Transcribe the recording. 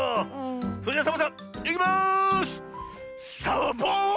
それじゃサボさんいきます！サッボーン！